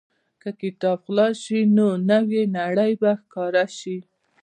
که کتاب خلاص شي، نو نوې نړۍ به ښکاره شي.